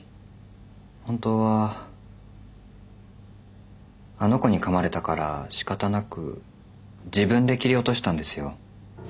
本当はあの子にかまれたからしかたなく自分で切り落としたんですよ。